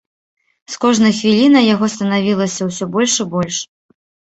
З кожнай хвілінай яго станавілася ўсё больш і больш.